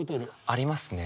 ありますね。